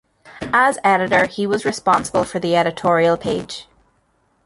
As editor, he was responsible for the editorial page.